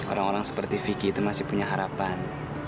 orang orang seperti vicky itu masih punya harapan